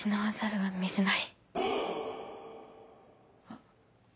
あっ。